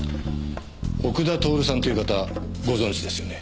奥田徹さんっていう方ご存じですよね？